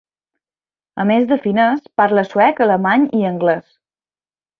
A més de finès parla suec, alemany i anglès.